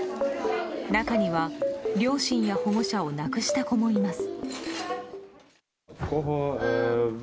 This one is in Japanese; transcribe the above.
中には、両親や保護者を亡くした子もいます。